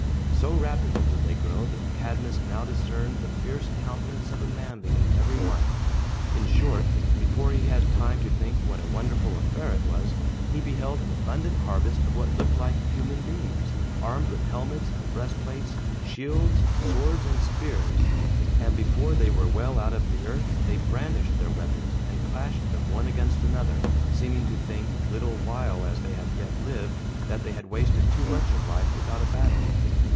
So rapidly did they grow, that Cadmus now discerned the fierce countenance of a man beneath every one. In short, before he had time to think what a wonderful affair it was, he beheld an abundant harvest of what looked like human beings, armed with helmets and breastplates, shields, swords, and spears; and before they were well out of the earth, they brandished their weapons, and clashed them one against another, seeming to think, little while as they had yet lived, that they had wasted too much of life without a battle.